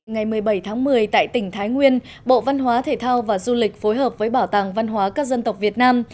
ngày một mươi bảy tháng một mươi tại tỉnh thái nguyên bộ văn hóa thể thao và du lịch phối hợp với bảo tàng văn hóa các dân tộc việt nam